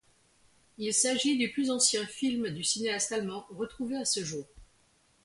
Il s'agit du plus ancien film du cinéaste allemand retrouvé à ce jour.